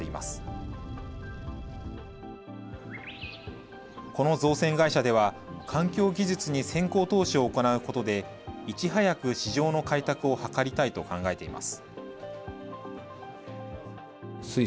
この造船会社では、環境技術に先行投資を行うことで、いち早く市場の開拓を図りたいと考えています。